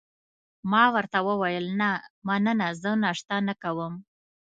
ما ورته وویل: نه، مننه، زه ناشته نه کوم.